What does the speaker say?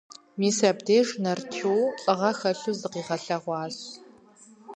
Мис абдеж Нарчу лӀыгъэ хэлъу зыкъигъэлъэгъуащ.